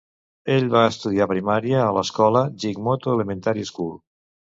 Ell va estudiar primària a l'escola Gigmoto Elementary School.